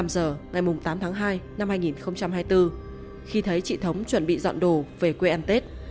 một mươi năm h ngày tám tháng hai năm hai nghìn hai mươi bốn khi thấy trị thống chuẩn bị dọn đồ về quê em tết